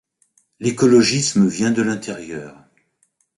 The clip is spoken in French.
L'écologisme vient de l'intérieur.